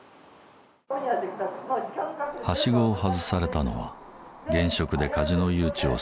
はしごを外されたのは現職でカジノ誘致を進めてきた林だ。